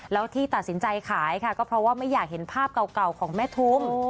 แล้วที่ตัดสินใจขายค่ะก็เพราะว่าไม่อยากเห็นภาพเก่าของแม่ทุม